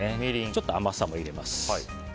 ちょっと甘さも入れます。